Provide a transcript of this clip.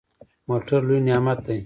موټر لوی نعمت دی.